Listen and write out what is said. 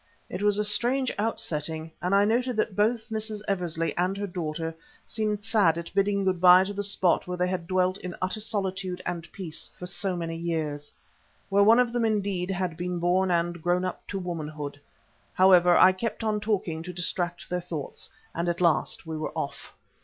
It was a strange out setting, and I noted that both Mrs. Eversley and her daughter seemed sad at bidding good bye to the spot where they had dwelt in utter solitude and peace for so many years; where one of them, indeed, had been born and grown up to womanhood. However, I kept on talking to distract their thoughts, and at last we were off.